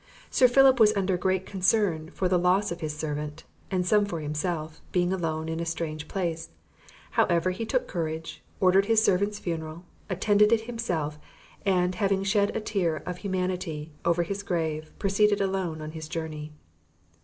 Sir Philip was under great concern for the loss of his servant, and some for himself, being alone in a strange place; however he took courage, ordered his servant's funeral, attended it himself, and, having shed a tear of humanity over his grave, proceeded alone on his journey.